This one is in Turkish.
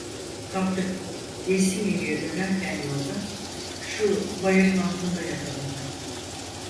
Kalktık gerisin geriye dönerken yolda, şu bayırın altında yakaladı.